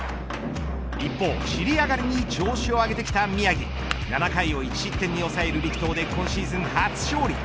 一方、尻上がりに調子を上げてきた宮城７回を１失点に抑える力投で今シーズン初勝利。